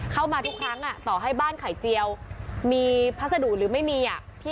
เข้ามาทุกครั้งต่อให้บ้านไข่เจียวมีพัสดุหรือไม่มี